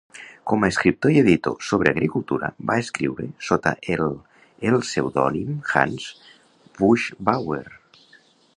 Com a escriptor i editor sobre agricultura, va escriure sota el el pseudònim "Hans Buschbauer".